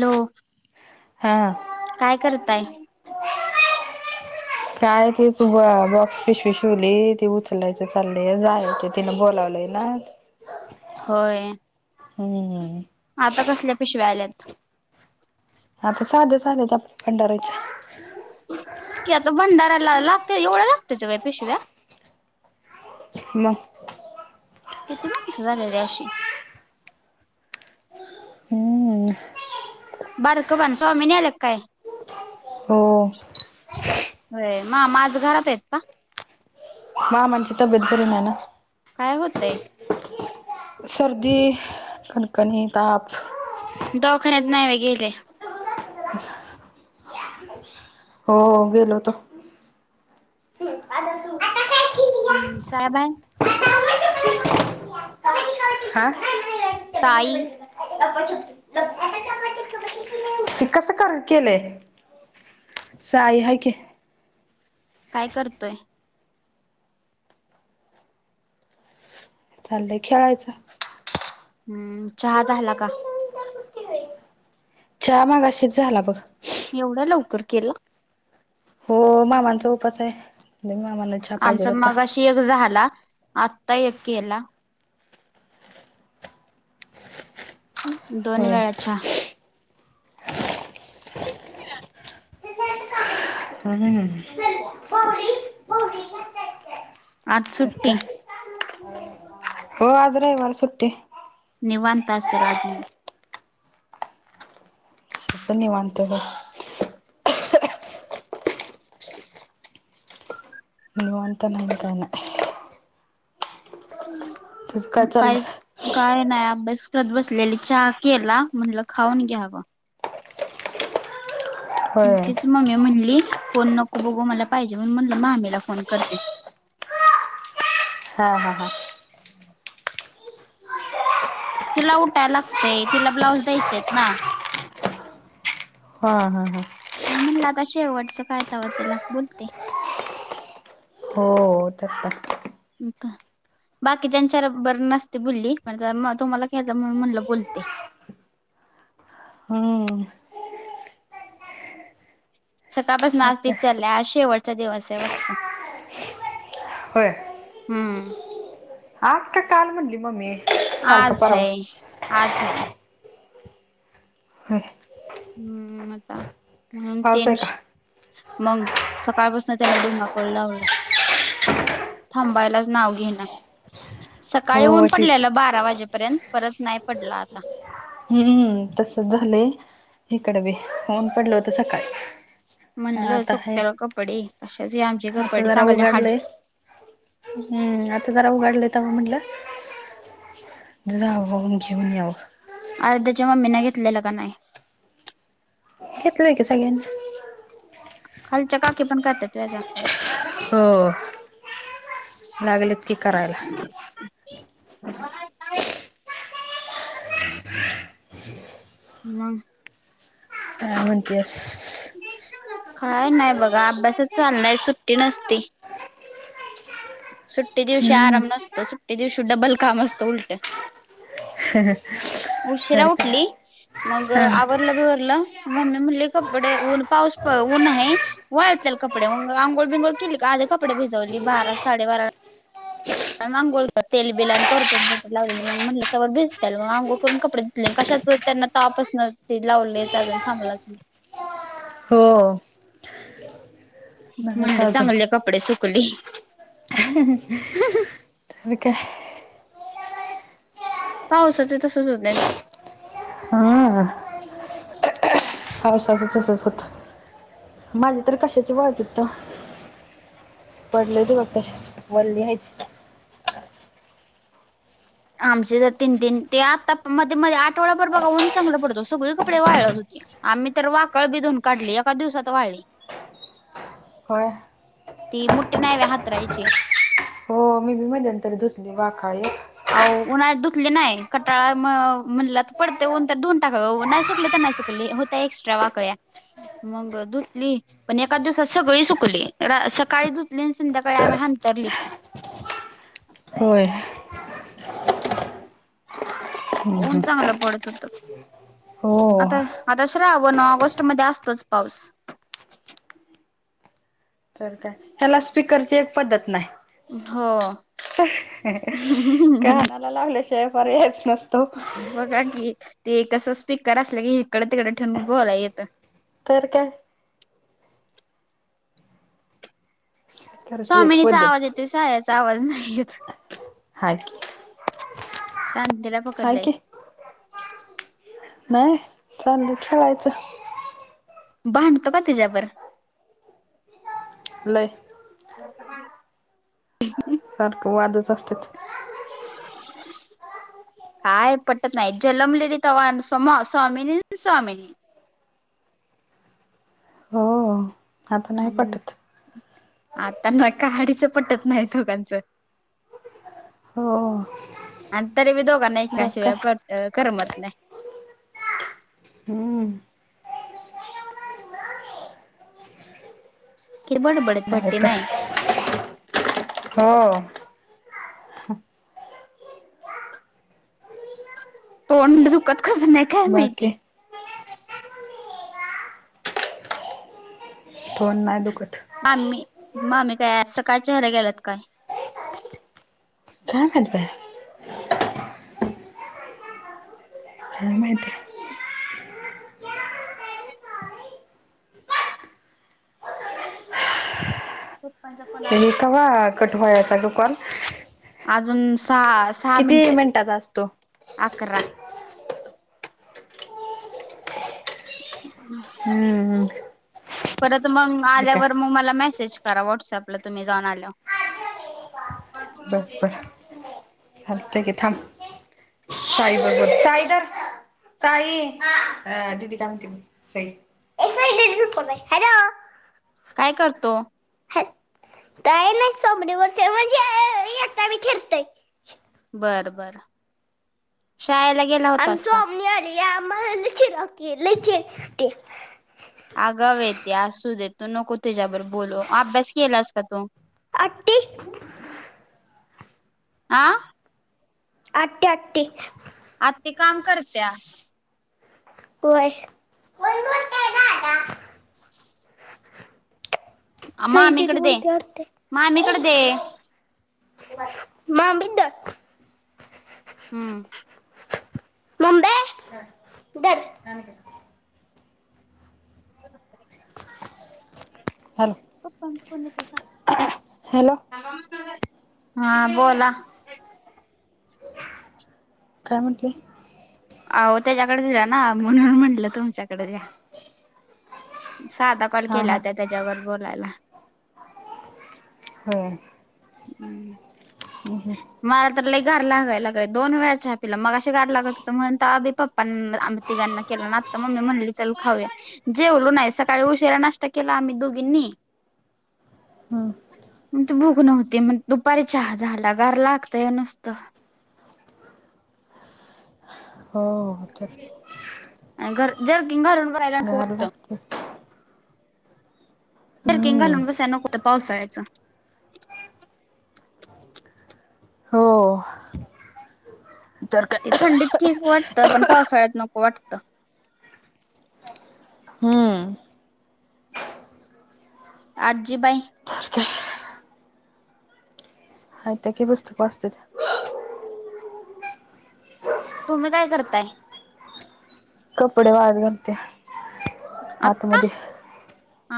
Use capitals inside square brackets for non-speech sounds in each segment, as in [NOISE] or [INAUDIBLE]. Hello हा काय करताय? काय तीच ब बॉक्स पिशवी शिवलीये. ती उचलायच चाललंय जायचं आहे तिनं बोलावलंय ना. होय हम् आता कसल्या पिशव्या आल्यात? आता साध्याच आल्यात फडाराईच्या. कि आता भंडाऱ्याला लागत्या, एवढ्या लागत्यात्या व्हयं पिशव्या? [UNINTELLIGIBLE] मग किती माणसं झालेले अशे? हम्म. बारकं पण स्वामीने आले काय? हो. होय मामा घरात आहेत का? मामांची तब्येत बरी नाही ना. काय होतंय? सर्दी, कणकणी, ताप. दवाखान्यात नाही वे गेले? [UNINTELLIGIBLE] हो गेलो होतो. हम्म साहेब आहे? हा ताई [UNINTELLIGIBLE] ते कसं क केलेय साई आहे की. काय करतोय? चाललय खेळायचं. हम्म चहा झाला का? चहा मगाशीच झाला बघं. एवढ्या लवकर केलं. हो मामांचा उपास आहे आणि मामाांना चा आमचा मगाशी एक झाला आत्ता एक केला. दोन होय वेळा चहा. हम्म हम्म [UNINTELLIGIBLE] आज तर सुट्टी काय. हो आज रविवार सुट्टी. निवांत असेल अजून. कसं निवांत गं. निवांत नाय ने काय नाय. तुझं काय म चाललंय काहीच काय नाही अभ्यास करत बसलेली चहा केला म्हटलं खाऊन घ्यावं. होय तीच मम्मी म्हणली फोन नको बघू मला पाहिजे म्हणून म्हणलं मामीला फोन करते. हा हा हा. तिला उठाय लागतय तिला ब्लाऊज द्यायचेत ना. हा हा हा. म्हणलं आता शेवटचं काय तेव्हा त्याला बोलते. हो ते आत्ता [UNINTELLIGIBLE] बाकी त्यांच्या रेबर नसते बोलली पण जर म तुम्हाला केलता म्हणून म्हणलं बोलते. हम्म. सकाळपासनं तर आज काय तेच चाललंय आज शेवटचा दिवस आहे वाटतं. होय. हम्म. आज का काल म्हणली मम्मी? काल का आज परवा हाय आज हाय. होय. हम्म आता म्हणून पाऊस आहे का टेन्श मग सकाळपासन त्यांन धुमाकूळ लावलाय. थांबायलाच नाव घेणाय. सकाळी हो ऊन तेच पडलेलं बारा वाजेपर्यंत परत नाही पडलं आता. हम्म तसंच झालंय इकड बी ऊन पडलं होतं सकाळी. हा म्हणलं आता हाय सुकतान कपडे कशाच हे आमचे आता कपडे जरा चांगले हाड उघाडलंय हम्म आता जरा उघडलंय तवा म्हणलं जाव न घेऊन यावं. आयोध्या च्या मम्मी न घेतलेला का नाही? घेतलय की सगळ्यांनी. खालच्या काकी पण करतात वेदा. हो लागलेत की करायला. काकी बघत नाही. मग? काय म्हणतियस? काय नाही बघा अभ्यासच चाललाय सुट्टी नसती. सुट्टी दिवशी हम्म आराम नसतो सुट्टी दिवशी डबल काम असतो उलटं. हं हं उशिरा तर काय. उठली मग आवरलं बिवरलं मम्मी म्हणली कपडे ऊन पाऊस प ऊन हाय. वाळत्याल कपडे आंघोळ बिंघोळ केली का आधी कपडे भिजवली बारा साडेबारा [INAUDIBLE] आणि अंघोळ तेल बिल आणि कोरफड बीरफड लावलेली मग म्हणलं तवर भिजत्याल मग अंघोळ करून कपडेे धुतले मग कशाच त्यांना तवापसनच ती लावलयच अजून थांबलाच नाही. हो नाही म्हणलं अजून चांगले कपडे सुकली. मग काय? पावसाचं तसंच होतंय. हा पावसाचं तसंच होतं माझी तर कशाचे वाळतात? पडलत बग तसेच वल्ले आहेत. आमचे तर तीन तीन ते आत्ता मध्ये मध्ये आठवडाभर बघा ऊन चांगलं पडतो सगळे कपडे वाळत होती. आम्ही तर वाकळ बि धुऊन काढली एका दिवसात वाळली. होय. ती मुठे नाही वय हातरायची. हो मी बी मध्येंतर धुतली वाखाळी एक. अहो उन्हाळ्यात धुतली नाही कटाळा म म्हणला तर पडतय ऊन तर धुऊन टाकाव नाही सुकले तर नाही सुकले हो त्या एक्स्ट्रा वाकळ्या मग धुतली. पण एका दिवसात सगळी सुकले सकाळी धतले आणि संध्याकाळी आम्ही हांंतरले पण. होय. ऊन चांगलं पडत होत. हो आता आता श्रावण, ऑगस्ट मध्ये असतोच पाऊस. तर काय ह्याला स्पीकरची एक पद्धत नाही. हो. कानाला लावल्याशिवाय पर्यायच नसतो बघा की. ते कसं स्पीकर असलं की इकड तिकड ठेवून बोलाय येत. तर काय. स्पीकरची एक स्वामिनीचा आवाज पद्धत येतो शायाचा आवाज नाही येत. [UNINTELLIGIBLE] शांतीला हाय पकडलय की नाही खाली खेळायचं भांडतो का तिच्या बरोबर. नाही [UNINTELLIGIBLE] सारख वादच असत्यात. [UNINTELLIGIBLE] काय पटत नाही जन्मलेली तेंव्हा स्वामीनी स्वामीनी. हो आता नाही आणि पटत आता न काडीचं पटत नाही दोघांचं. हो आणि तरी बी दोघांना तर काय एकमेकाशिवाय करमत नाही. हम्म बडबड. हो तोड दुखत कसं नाही. काय माहिती बाकी. तोड नाही दुःखत. मामी मामी काय सकाळ [INAUDIBLE] गेलत काय? काय माहीत बाई. काय माहीत. पप्पांचा फोन आलाय कवा कट व्हायचा गं कॉल. अजून सास किती मिनिटाचा असतो. अकरा. [UNINTELLIGIBLE] हम्म परत मग अरे काय आल्यावर मग मला मेसेज करा व्हॉट्सअपला तुम्ही जाऊन आल्यावर. बर बरं हलते की थांब. साई बरबर साई धर साई अ दिदी का म्हणते बघ. [UNINTELLIGIBLE] काय करतो. काय नाही सोमडीवर म्हणजे एका मी [INAUDIBLE] बरं बरं. शाळेला गेला आणि का सोमनी आल्या मगं हेनी चिडतील लई चिडवतील. अगाव हाय त्या असू दे तू नको तिच्याबर बोलू, अभ्यास केलास का तू? आती. [UNINTELLIGIBLE] [INAUDIBLE] [INAUDIBLE] आते काम करत्या. व्हय. सई दीदी मामीकडे दे बोलते वाटतं. मामीकडे दे [INAUDIBLE] हम्म. [INAUDIBLE] दर [UNINTELLIGIBLE] हॅलो [UNINTELLIGIBLE] प पच को त्यासा हॅलो, नमस्कार हा, बोला. काय म्हंटले. अ त्याच्याकडे दिला ना म्हणून म्हटलं तुमच्याकडे द्या. साधा कॉल हा केल्या हा होत्या त्याच्यावर बोलायला. होय, मला तर लई घार लागायला लागय दोन वेळाच्या चहा पिला मगाशी गार लागत होतं म्हण तवा आभी पप्पां ना आम ''--'' तिगांना केलं मग आता मम्मी म्हणली चल खाऊया. जेवलो नाही सकाळी उशीरा नाष्ट्ता केला आम्ही दोघींनी. मग त भूक नव्हती मग दुपारी चहा झाला गार लागताय नुसतं. हो हो, चेक. आणि घर जर्किन घालून भरायला कोण गार होतं. लागते जरकि हम्म घालून बसय नकं त्या पाऊससाडयचं. हो, तर कान. ते थंडीत ठीक वाटतं पण पावसाळ्यात नको वाटतं. हम, आजी बाई. तर काय हाय त्या की पुस्तक वाचतात त्या. तुम्ही काय करताय. कपडे बाळत घालत्या. आता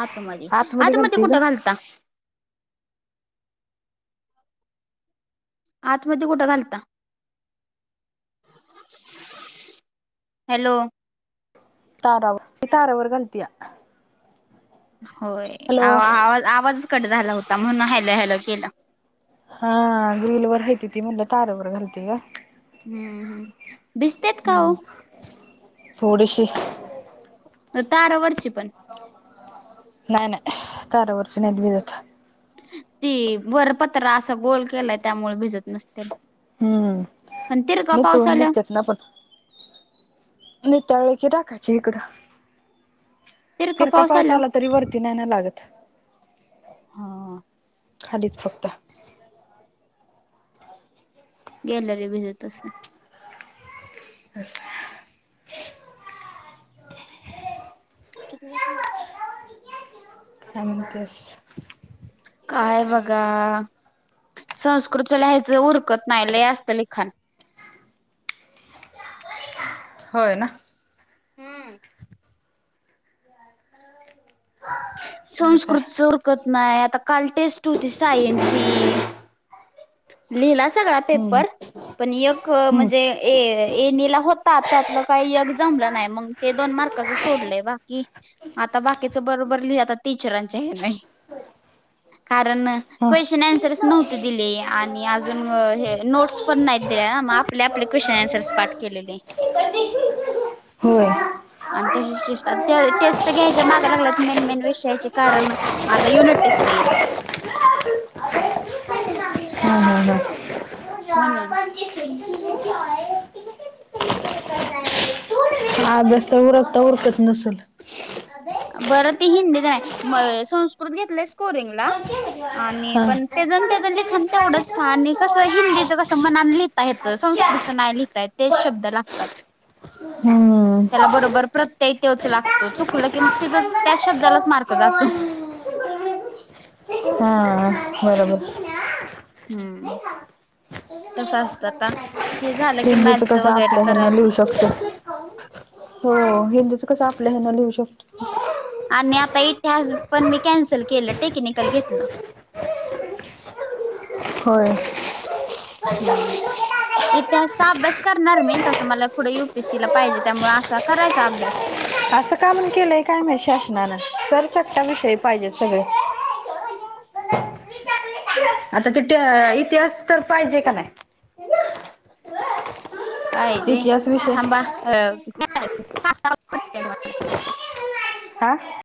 आतमध्ये आतमध्ये घालते ग कुठं घालता. आतमध्ये कुठं घालता. हॅलो, तारावर मी तारावर घालतीया आता. होय आवा आवाज कट झाला होता म्हणून हॅल हॅल, केलं. हा, गिल व हयती ती म्हणलं तारावर घालते का. हम्म हम्म, भिजतेत का हो? हम्म थोडीशी. ह, तारावरची पण नाही नाही तरवरची नायत भिजत. ती वरपत्र असा गोल केलाय त्यामुळे भिजत नसत्याल. हम्म, निथळून आल्या निघतातना पण पट''--'' नत्याळे क टाकायचे इकडं. तिर का पाऊस आला. तरी वरती नय लागत हा खालीच फक्त. गॅलरी भिजत असेल. कस काय. [UNINTELLIGIBLE] ना हा तेच, काय बघा संस्कृतच लिहायचं उरकत नाही लई असतय लिखाण. होय ना, हम्म, तर काय संस्कृतच उरकत नाही आता काल टेस्ट होती सायन्स ची. लिहिला सगळा हम्म पेपर, पण एक अं हम्म म्हणजे ए एनीला होता त्यातलं काही एक जमलं नाही मगं, ते दोन मार्काच सोडलंय. बाकी आता बाकीचं बरोबर लिहिा आता टीचरांच्या हे ने. कारण अं हा. क्वेस्शन, अन्सरच नव्हते दिलेया. आणि अजून व हे नोट्स पण नाहीत दिल्या, मग आपले- आपले क्वेशन, अन्सरच पाठ केलेले. [INAUDIBLE] हो, आणि तशीच टेस्ट, ज टेस्ट घ्यायच्या माग लागल्यात मेन -मेन विषयाचे कारण आता युनिट टेस्ट येईल. हा, हं, हा. म्हणून, हा अभ्यास तर आता उरकता नसंल. बरं ती हिंदीत नाही, म संस्कृत घेतलंय स्कोरिंगला आणि हा. पण ते जमंत तेच लिखाण तेवढंच आणि कसं हिंदीचं कसं मनान लिहिता येतं, संस्कृतचं नाही लिहता येत. तेच शब्द लागतात. [INAUDIBLE] हम्म, त्याला बरोबर प्रत्यय त्योच लागतो, चुकलं कि म तिथंच त्या शब्दालाच मार्क जातो. हा, बरोबर, हम्म, तस असतं आता हे झालं की हिंदीच मॅथच कसं वगैरे आपल्या हेन करायचं लिहू शकतो. हो, हिंदीच कसं आपल्या हेन लिहू शकतो. आणि आता इतिहास पण मी कॅन्सल केलं, टेक्निकल घेतलं. हो, हम्म, इतिहासचा अभ्यास करणार मी, तसं मला पुढे यु पी एसी ला पाहिजे त्यामुळे असा करायचा अभ्यास. असं का म्हणून केलंय काय माहित शासनानं, सर सत्ता विषयी पाहिजे सगळं. आता त ट ते इतिहास तर पाहिजे का न्हाय? पाहिजे इतिहास विषय. थांबा. अ [UNINTELLIGIBLE] आहं,